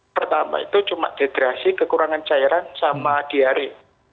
pertama itu cuma dehidrasi kekurangan cairan sama diare